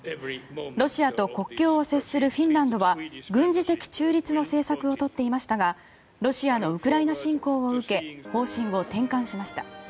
ロシアと国境を接するフィンランドは軍事的中立の政策をとっていましたがロシアのウクライナ侵攻を受け方針を転換しました。